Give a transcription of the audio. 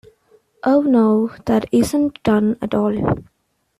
Oh, no, that isn't done at all.